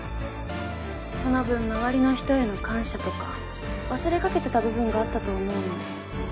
その分周りの人への感謝とか忘れかけてた部分があったと思うの。